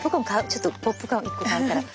ちょっとポップコーン１個買うから。